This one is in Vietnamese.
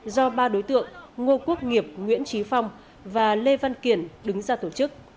do ba đối tượng ngô quốc nghiệp nguyễn trí phong và lê văn kiển đứng ra tổ chức